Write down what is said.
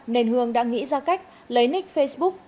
nên hương đã nghĩ ra cách lấy nick facebook